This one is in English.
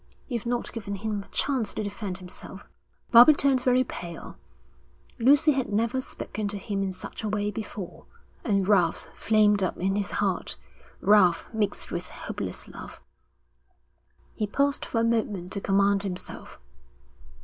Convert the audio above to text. You've not given him a chance to defend himself.' Bobbie turned very pale. Lucy had never spoken to him in such a way before, and wrath flamed up in his heart, wrath mixed with hopeless love. He paused for a moment to command himself.